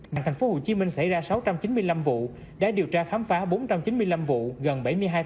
nạn tp hcm xảy ra sáu trăm chín mươi năm vụ đã điều tra khám phá bốn trăm chín mươi năm vụ gần bảy mươi hai